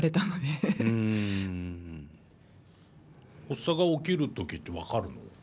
発作が起きる時って分かるの？